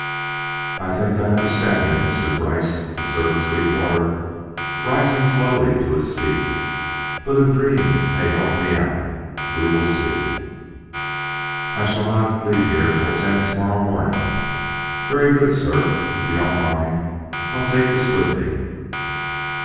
"I think I understand you, Mr. Gryce," observed Sweetwater, rising slowly to his feet. "But a dream may help me out; we will see." "I shall not leave here till ten to morrow morning." "Very good, sir. If you don't mind, I'll take this with me."